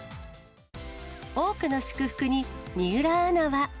多くの祝福に、水卜アナは。